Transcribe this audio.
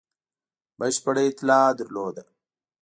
بشپړه اطلاع درلوده.